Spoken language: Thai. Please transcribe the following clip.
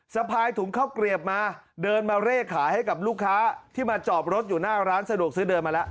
สะพายถุงข้าวเกลียบมาเดินมาเร่ขายให้กับลูกค้าที่มาจอดรถอยู่หน้าร้านสะดวกซื้อเดินมาแล้ว